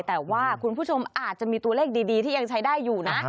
แต่ว่าคุณผู้ชมอาจจะมีตัวเลขดีที่ยังใช้ได้อยู่นะ